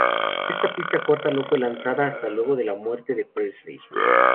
Esta pista corta no fue lanzada hasta luego de la muerte de Presley.